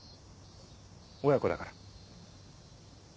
親子だから。